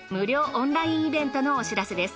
オンラインイベントのお知らせです。